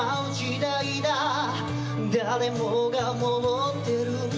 「誰もが持っているんだ」